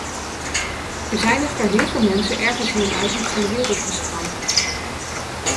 Er zijn echter heel veel mensen ergens in een uithoek van de wereld gestrand.